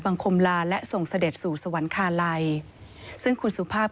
คมลาและส่งเสด็จสู่สวรรคาลัยซึ่งคุณสุภาพ